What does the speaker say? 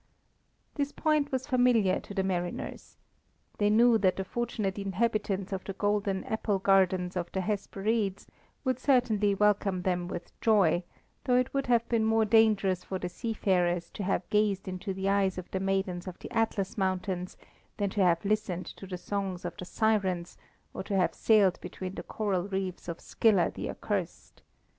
This point was familiar to the mariners. They knew that the fortunate inhabitants of the golden apple gardens of the Hesperides would certainly welcome them with joy, though it would have been more dangerous for the seafarers to have gazed into the eyes of the maidens of the Atlas mountains than to have listened to the songs of the Sirens or to have sailed between the coral reefs of Scylla the accursed.